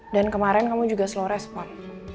dan kemarin kamu juga slow respon